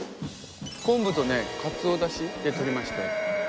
昆布とねかつおだしでとりまして。